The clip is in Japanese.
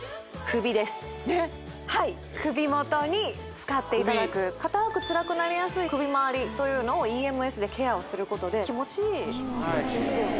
はい首元に使っていただくかたくつらくなりやすい首まわりというのをＥＭＳでケアをすることで気持ちいいですよね